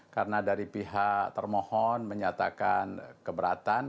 karena dari pihak termohon menyatakan keberatan